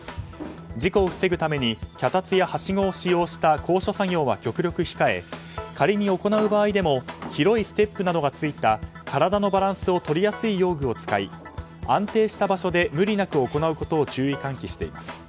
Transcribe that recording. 事故を防ぐために脚立やはしごを使用した高所作業は極力控え仮に行う場合でも広いステップなどがついた体のバランスを取りやすい用具を使い安定した場所で無理なく行うことを注意喚起しています。